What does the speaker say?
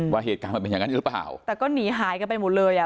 ว่าเหตุการณ์มันเป็นอย่างนั้นหรือเปล่าแต่ก็หนีหายกันไปหมดเลยอ่ะ